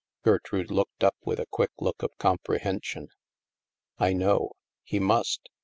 Gertrude looked up with a quick look of compre hension. " I know. He must.